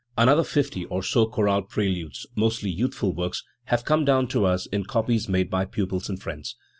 Another fifty or so chorale preludes mostly youthful works have come down to us in copies made by pupils and friends.